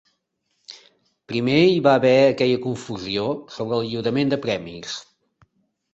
Primer hi va haver aquella confusió sobre el lliurament de premis.